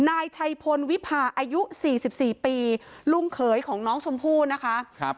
นายชัยพลวิพาอายุสี่สิบสี่ปีลุงเขยของน้องชมพู่นะคะครับ